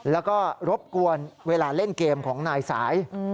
แล้วก็รบกวนเวลาเล่นเกมของนายสาย